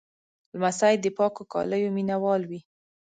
لمسی د پاکو کالیو مینهوال وي.